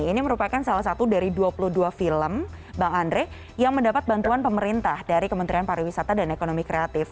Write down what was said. ini merupakan salah satu dari dua puluh dua film bang andre yang mendapat bantuan pemerintah dari kementerian pariwisata dan ekonomi kreatif